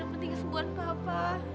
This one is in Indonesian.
mending kesembuhan papa